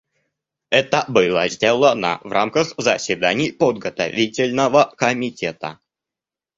Это было сделано в рамках заседаний Подготовительного комитета.